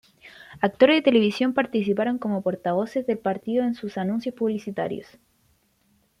Actores de televisión participaron como portavoces del partido en sus anuncios publicitarios.